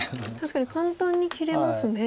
確かに簡単に切れますね。